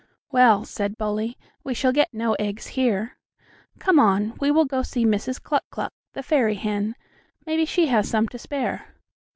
"Well," said Bully, "we shall get no eggs here. Come on, we will go see Mrs. Cluck Cluck, the fairy hen. Maybe she has some to spare."